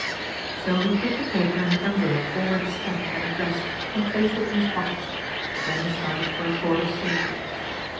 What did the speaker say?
So he put the paper in an envelope already stamped and addressed and placed it in his pocket. Then he started for a port of safety.